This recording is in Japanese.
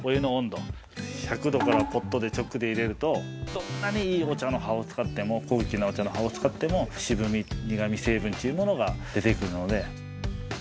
１００度からポットで直で入れると、どんなにいいお茶の葉を使っても高級なお茶の葉を使っても渋み、苦み成分というものが出てくるので。